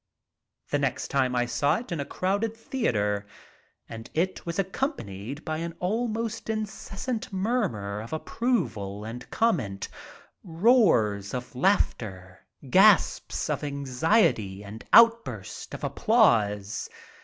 The next time I saw it was in a crowded theatre and it was accompanied by an almost incessant mur mur of approval and comment, roars of laughter, gasps of anxiety and outbursts of ap plause.